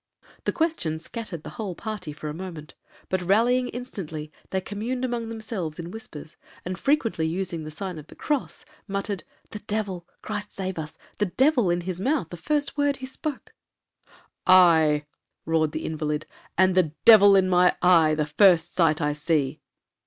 The question scattered the whole party for a moment; but rallying instantly, they communed among themselves in whispers, and frequently using the sign of the cross, muttered 'The devil,—Christ save us, the devil in his mouth the first word he spoke.' 'Aye,' roared the invalid, 'and the devil in my eye the first sight I see.'